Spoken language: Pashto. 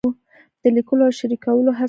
د لیکلو او شریکولو هڅه کوم.